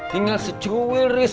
tinggal secuil riz